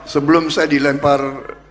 sebelum saya dilempar